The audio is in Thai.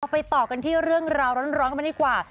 ไปต่อกันที่เรื่องราวร้อนกันมาดีกว่า